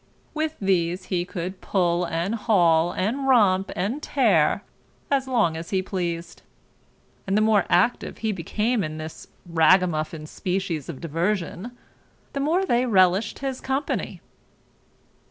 With these he could pull and hawl and romp and tear as long as he pleased; and the more active he became in this raggamuffin species of diversion, the more they relished his company.